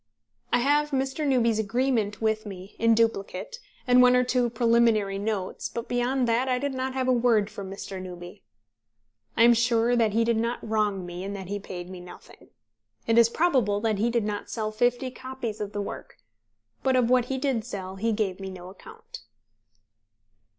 I have Mr. Newby's agreement with me, in duplicate, and one or two preliminary notes; but beyond that I did not have a word from Mr. Newby. I am sure that he did not wrong me in that he paid me nothing. It is probable that he did not sell fifty copies of the work; but of what he did sell he gave me no account.